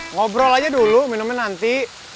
ngobrol aja dulu minuman nanti